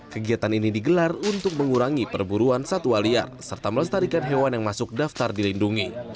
kegiatan ini digelar untuk mengurangi perburuan satwa liar serta melestarikan hewan yang masuk daftar dilindungi